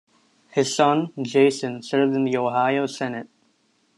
His son, Jason, served in the Ohio Senate.